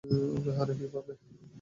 ওকে হারাই কীভাবে?